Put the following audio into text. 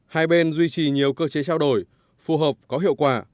hai bên duy trì nhiều cơ chế trao đổi phù hợp có hiệu quả